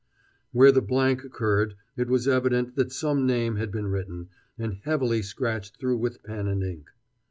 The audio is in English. F. Where the blank occurred it was evident that some name had been written, and heavily scratched through with pen and ink.